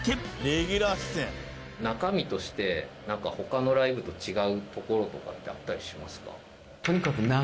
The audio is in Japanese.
中身として他のライブと違うところとかってあったりしますか？